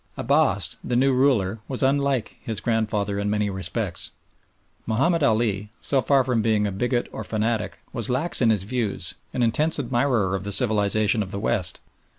Abbass, the new ruler, was unlike his grandfather in many respects. Mahomed Ali, so far from being a bigot or fanatic, was lax in his views, an intense admirer of the civilisation of the West.